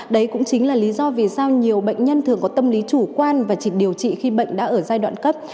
đấy cũng chính là lý do vì sao nhiều bệnh nhân thường có tâm lý chủ quan và chỉ điều trị khi bệnh đã ở giai đoạn cấp